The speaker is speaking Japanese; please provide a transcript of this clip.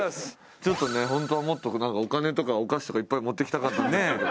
ちょっとね本当はもっとなんかお金とかお菓子とかいっぱい持ってきたかったんですけど。